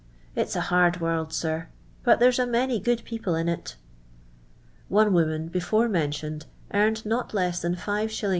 jilt's a hard world, sir, but there's a many good people in it." One woman (before mentioned) earned not less than 5s.